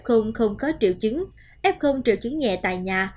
không có triệu chứng f triệu chứng nhẹ tại nhà